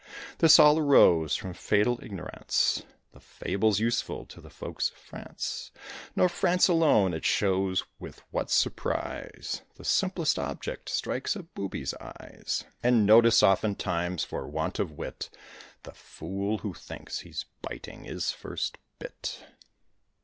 This all arose from fatal ignorance: The fable's useful to the folks of France, Nor France alone: it shows with what surprise The simplest object strikes a booby's eyes. And notice, oftentimes, for want of wit, The fool, who thinks he's biting, is first bit.